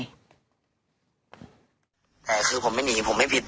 งานศพไปฟุก